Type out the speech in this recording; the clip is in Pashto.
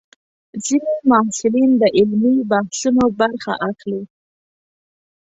ځینې محصلین د علمي بحثونو برخه اخلي.